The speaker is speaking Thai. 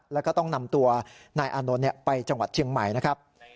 แล้วก็ต้องนำตัวนายอานนท์ไปจังหวัดเชียงใหม่นะครับ